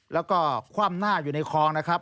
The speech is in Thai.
แล้วก็คว่ำหน้าอยู่ในคลองนะครับ